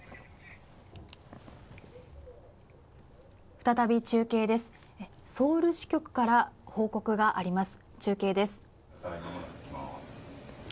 再び中継です、ソウル支局から報告があります。